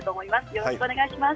よろしくお願いします。